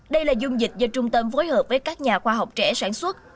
đây là dung dịch do trung tâm phối hợp với các nhà khoa học trẻ sản xuất